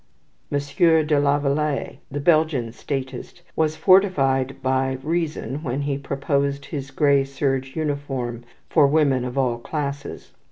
M. de Lavaleye, the Belgian statist, was fortified by reason when he proposed his grey serge uniform for women of all classes.